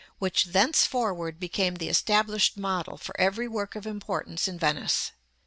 which thenceforward became the established model for every work of importance in Venice.